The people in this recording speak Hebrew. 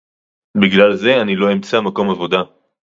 בגלל זה אני לא אמצא מקום עבודה